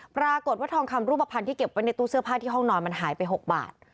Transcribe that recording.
ปรากฏว่าทองคำรูปภัณฑ์ที่เก็บไว้ในตู้เสื้อผ้าที่ห้องนอนมันหายไป๖บาท